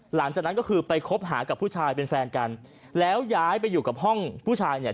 หลังจากนั้นก็คือไปคบหากับผู้ชายเป็นแฟนกันแล้วย้ายไปอยู่กับห้องผู้ชายเนี่ย